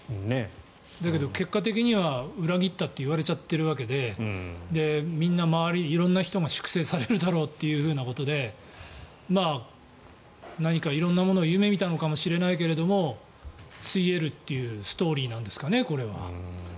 だけど結果的には裏切っちゃったと言われているわけでみんな、周り、色んな人が粛清されるだろうということで何か色んなものを夢見たのかもしれないけれどもついえるというストーリーなんですかねこれは。